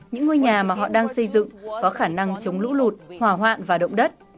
những ngôi nhà mà họ đang xây dựng có khả năng chống lũ lụt hòa hoạn và động đất